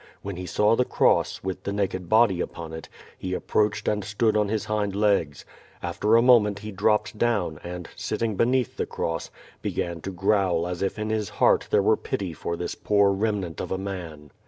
When he saw the cross, with the naked body upon it, he approached and stood on his hind legs. After a moment he dropped down, and, sitting beneath the cross, be gan to growl as if in his heart there were pity for this poor remnant of a man.